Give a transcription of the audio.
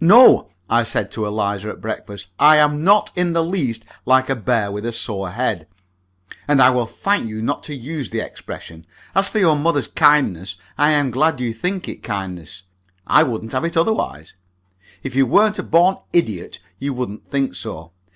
"No," I said to Eliza at breakfast, "I am not in the least like a bear with a sore head, and I will thank you not to use the expression. As for your mother's kindness, I am glad you think it kindness. I wouldn't have it otherwise. If you weren't a born idiot you wouldn't think so.